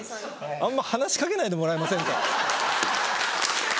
あんま話し掛けないでもらえませんか。